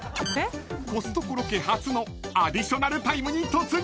［コストコロケ初のアディショナルタイムに突入］